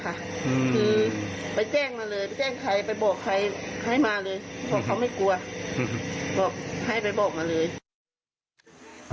คือไปแจ้งมาเลยไปแจ้งใครไปบอกใครให้มาเลยเพราะเขาไม่กลัวบอกให้ไปบอกมาเลย